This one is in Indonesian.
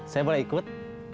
saya boleh ikut